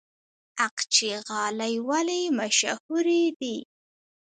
اقچې غالۍ ولې مشهورې دي؟